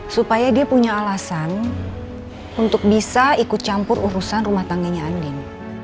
supaya dia punya alasan untuk bisa ikut campur urusan rumah tangganya andin